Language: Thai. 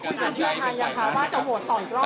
มีการเตรียมใจในการบอกว่าจะโหวตตอนกล้อง